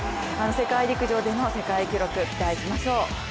世界陸上の世界記録、期待しましょう。